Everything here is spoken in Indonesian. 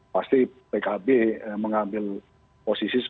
pasti pkb mengambil posisi seperti itu